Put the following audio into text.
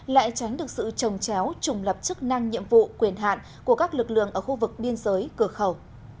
lại tránh được sự trồng chéo trùng lập chức năng nhiệm vụ quyền hạn của các lực lượng ở khu vực biên giới cửa khẩu